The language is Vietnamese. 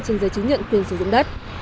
trên giấy chứng nhận quyền sử dụng đất